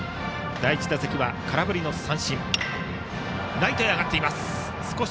第１試合は空振り三振。